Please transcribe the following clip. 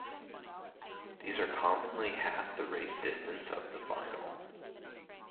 These are commonly half the race distance of the final.